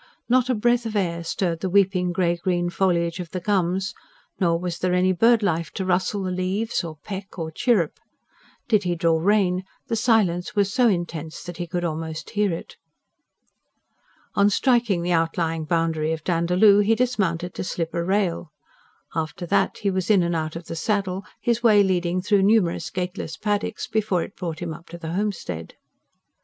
Not a breath of air stirred the weeping grey green foliage of the gums; nor was there any bird life to rustle the leaves, or peck, or chirrup. Did he draw rein, the silence was so intense that he could almost hear it. On striking the outlying boundary of Dandaloo, he dismounted to slip a rail. After that he was in and out of the saddle, his way leading through numerous gateless paddocks before it brought him up to the homestead.